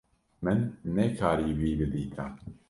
Min nekarî wî bidîta.